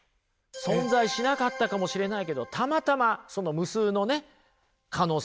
存在しなかったかもしれないけどたまたまその無数のね可能性